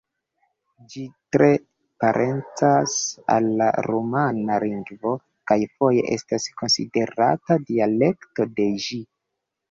Ĝi tre parencas al la rumana lingvo kaj foje estas konsiderata dialekto de ĝi.